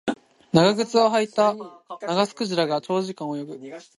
長靴を履いたナガスクジラが長時間泳ぐ